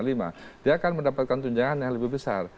dia akan mendapatkan tunjangan yang hanya satu lima